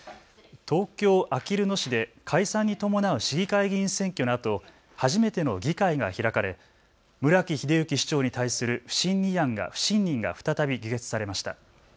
東京あきる野市で解散に伴う市議会議員選挙のあと初めての議会が開かれ村木英幸市長に対する不信任が再び議決されました。